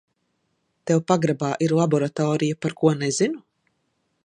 Tev pagrabā ir laboratorija, par ko nezinu?